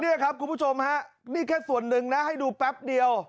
นี่ครับคุณผู้ชมฮะนี่แค่ส่วนหนึ่งนะให้ดูแป๊บเดียว